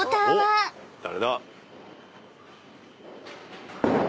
誰だ？